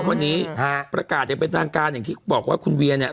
วันนี้ประกาศอย่างเป็นทางการอย่างที่บอกว่าคุณเวียเนี่ย